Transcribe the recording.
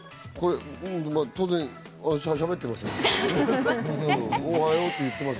当然しゃべってます。